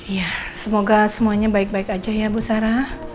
iya semoga semuanya baik baik aja ya bu sara